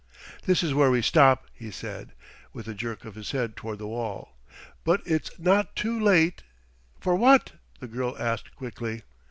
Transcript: "This is where we stop," he said, with a jerk of his head toward the wall; "but it's not too late " "For what?" the girl asked quickly.